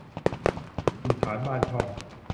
ถิ่นฐานบ้านช่อง